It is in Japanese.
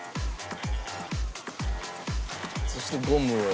そしてゴムを。